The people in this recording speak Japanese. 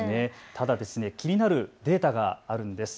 ただ気になるデータがあるんです。